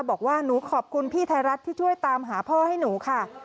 บอกว่าหนูขอบคุณพี่ไทยรัฐที่ช่วยตามหาพ่อให้หนูค่ะ